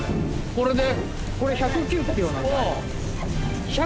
これで」。